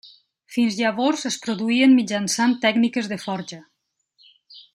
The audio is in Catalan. Fins llavors es produïen mitjançant tècniques de forja.